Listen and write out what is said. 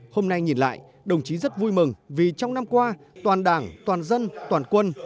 hôm nay nhìn lại đồng chí rất vui mừng vì trong năm qua toàn đảng toàn dân toàn quân